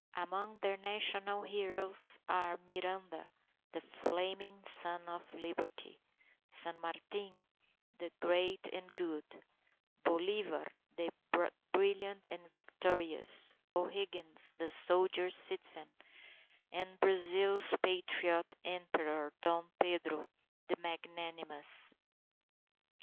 Among their national heroes, are Miranda "the Flaming Son of Liberty," San Martin the great and good, Bolivar the brilliant and victorious, O'Higgins the soldier citizen, and Brazil's patriot Emperor, Dom Pedro the magnanimous.